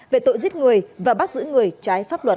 về tội giết người và bắt giữ người trái pháp luật